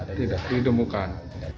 tidak hidup bukan